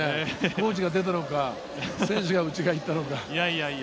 コーチが出たのか選手が内側にいったのか。